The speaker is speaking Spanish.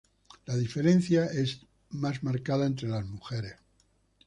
La diferencia es más marcada entre las mujeres.